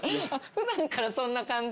普段からそんな感じ。